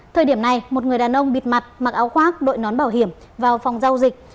thời điểm này một người đàn ông bịt mặt mặc áo khoác đội nón bảo hiểm vào phòng giao dịch